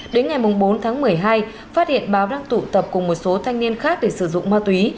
đến ngày bốn tháng một mươi hai phát hiện báo đang tụ tập cùng một số thanh niên khác để sử dụng ma túy